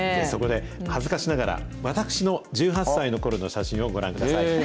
そこで恥ずかしながら、私の１８歳のころの写真をご覧ください。